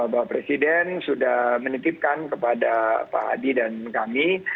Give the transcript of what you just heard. bapak presiden sudah menitipkan kepada pak hadi dan kami